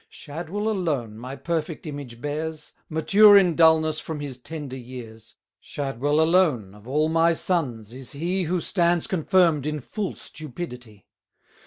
Shadwell alone my perfect image bears, Mature in dulness from his tender years: Shadwell alone, of all my sons, is he Who stands confirm'd in full stupidity.